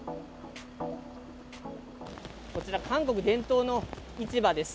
こちら韓国伝統の市場です。